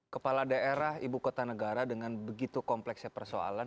kepala daerah ibu kota negara dengan begitu kompleksnya persoalan